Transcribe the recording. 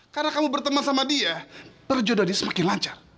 karena kamu berteman sama dia perjodohan dia semakin lancar